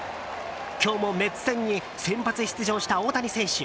今日もメッツ戦に先発出場した大谷選手。